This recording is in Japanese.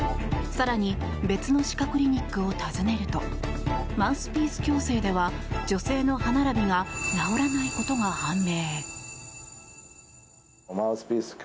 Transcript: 更に別の歯科クリニックを訪ねるとマウスピース矯正では女性の歯並びが治らないことが判明。